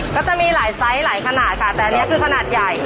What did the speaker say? ก็จะมีหลายไซส์หลายขนาดค่ะแต่อันนี้คือขนาดใหญ่